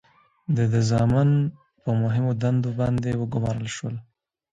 د ده زامن په مهمو دندو باندې وګمارل شول.